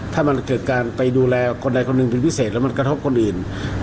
ถ้ามันเกิดการไปดูแลคนใดคนหนึ่งเป็นพิเศษแล้วมันกระทบคนอื่น